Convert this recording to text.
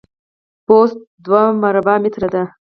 پوست دوه مربع متره ده.